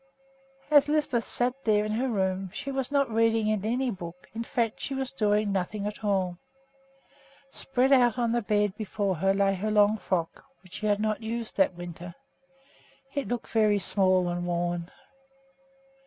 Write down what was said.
As Lisbeth sat there in her room she was not reading in any book; in fact, she was doing nothing at all. Spread out on the bed before her lay her long frock, which she had not used that winter. It looked very small and worn.